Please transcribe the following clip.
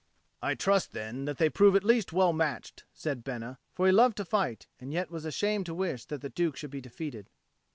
"I trust, then, that they prove at least well matched," said Bena; for he loved to fight, and yet was ashamed to wish that the Duke should be defeated.